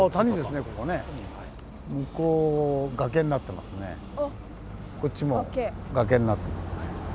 向こうこっちも崖になってますね。